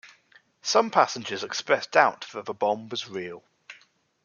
Some passengers expressed doubt that the bomb was real.